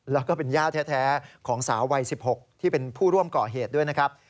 แล้วก็เป็นย่าแท้ของสาววัย๑๖ที่เป็นผู้ร่วมก่อเหตุด้วยนะครับ